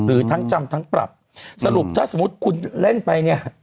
หรือทั้งจำทั้งปรับสรุปถ้าสมมุติคุณเล่นไปเนี่ย